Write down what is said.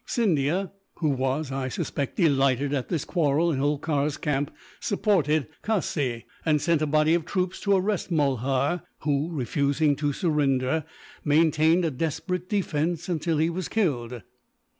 Scindia who was, I suspect, delighted at this quarrel in Holkar's camp supported Khassee, and sent a body of troops to arrest Mulhar, who, refusing to surrender, maintained a desperate defence, until he was killed.